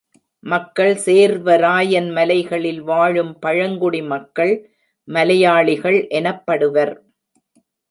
மக்கள் சேர்வராயன் மலைகளில் வாழும் பழங்குடி மக்கள் மலையாளிகள் எனப்படுவர்.